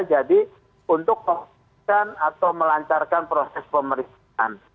jadi untuk melancarkan proses pemeriksaan